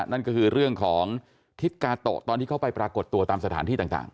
นั่นก็คือเรื่องของทิศกาโตะตอนที่เขาไปปรากฏตัวตามสถานที่ต่าง